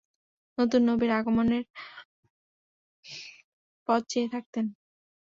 নতুন নবীর আগমনের পথ চেয়ে থাকতেন।